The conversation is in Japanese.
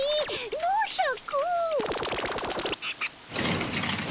のうシャク。